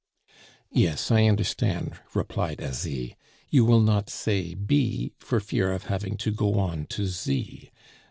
"Yes, I understand," replied Asie. "You will not say B for fear of having to go on to Z.